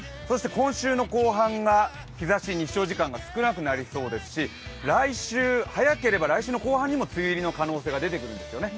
今週の後半が日ざし、日照時間が少なくなりそうですし、早ければ来週の後半にも梅雨入りの可能性が出てくるんですよね。